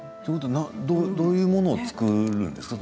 どういうものを作るんですか。